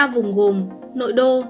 ba vùng gồm nội đô